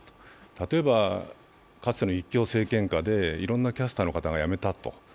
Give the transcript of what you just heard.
例えばかつての一強政権下の中でいろんなキャスターの方が辞めたと。